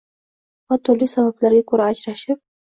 va turli sabablarga ko‘ra ajrashib